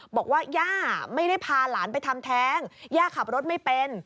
บอกว่าย่าไม่ได้พาหลานไปทำแท้งย่าขับรถไม่เป็น